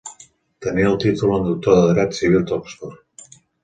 Tenia el títol en Doctor de Dret Civil d'Oxford.